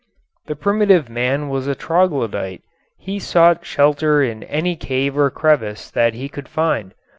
The primitive man was a troglodyte. He sought shelter in any cave or crevice that he could find.